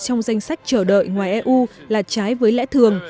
trong danh sách chờ đợi ngoài eu là trái với lẽ thường